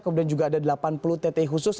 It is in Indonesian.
kemudian juga ada delapan puluh tt khusus